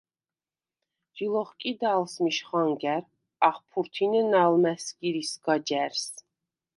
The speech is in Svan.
ჟი ლოხკიდა ალსმიშ ხანგა̈რ. ახფურთინენა ალმა̈სგირ ისგა ჯა̈რს.